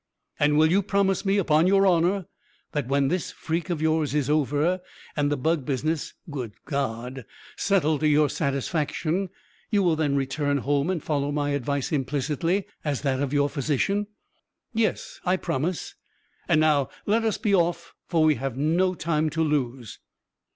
"And will you promise me, upon your honor, that when this freak of yours is over, and the bug business (good God!) settled to your satisfaction, you will then return home and follow my advice implicitly, as that of your physician?" "Yes; I promise; and now let us be off, for we have no time to lose."